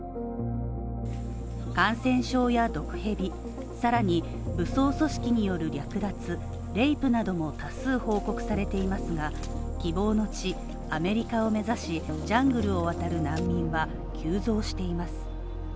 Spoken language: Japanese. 感染症や毒蛇さらに、武装組織による略奪、レイプなども多数報告されていますが、希望の地アメリカを目指し、ジャングルを渡る難民が急増しています。